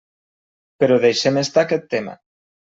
Però deixem estar aquest tema.